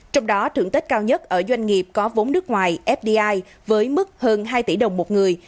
trong đó thưởng tết cao nhất ở doanh nghiệp có vốn nước ngoài fdi với mức hơn hai tỷ đồng một người